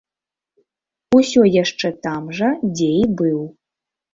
Усё яшчэ там жа, дзе і быў.